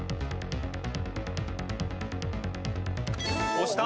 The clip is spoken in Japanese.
押した。